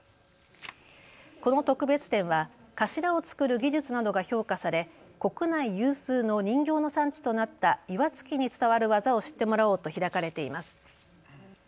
この特別展は頭を作る技術などが評価され国内有数の人形の産地となった岩槻に伝わる技を知ってもらおうと開かれています。